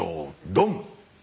ドン！